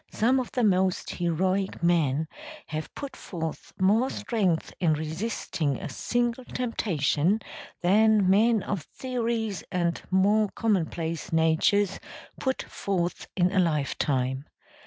Some of the most heroic men have put forth more strength in resisting a single temptation than men of theories and more commonplace natures put forth in a life time.